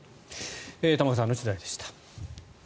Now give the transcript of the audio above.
玉川さんの取材でした。